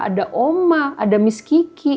ada oma ada miss kiki